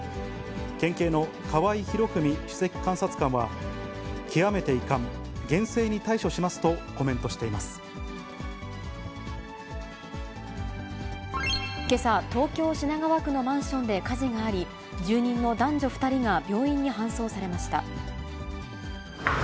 県警の河合弘文首席監察官は、極めて遺憾、厳正に対処しますとけさ、東京・品川区のマンションで火事があり、住人の男女２人が病院に搬送されました。